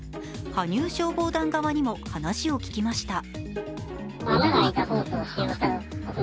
羽生消防団側にも話を聞きました。